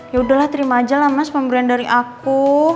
ya udahlah terima aja lah mas pemberian dari aku